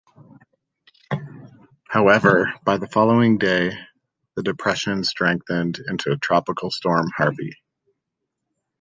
However, by the following day, the depression strengthened into Tropical Storm Harvey.